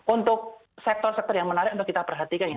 untuk sektor sektor yang menarik untuk kita perhatikan ini